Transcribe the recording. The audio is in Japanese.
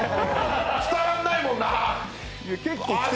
伝わらないもんな！